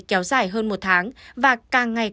kéo dài hơn một tháng và càng ngày